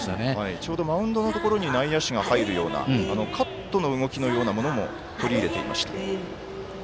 ちょうどマウンドのところに内野手が入るようなカットの動きのようなものも取り入れていました。